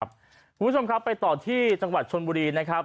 คุณผู้ชมครับไปต่อที่จังหวัดชนบุรีนะครับ